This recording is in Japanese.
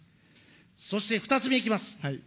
そして２つ目いきます。